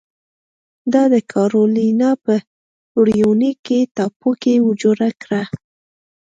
دا د کارولینا په ریونویک ټاپو کې جوړه کړه.